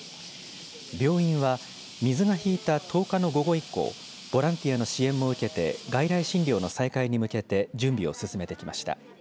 病院は水が引いた１０日の午後以降ボランティアの支援も受けて外来診療の再開に向けて準備を進めていきました。